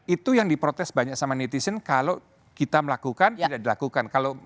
itu yang diprotes banyak sama netizen kalau kita melakukan tidak dilakukan